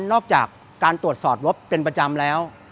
นอกจากการตรวจสอบงบเป็นประจำแล้ว